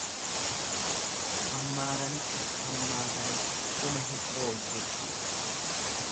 Hammaaranis hammaatanis dhuma hin oolu jechuudha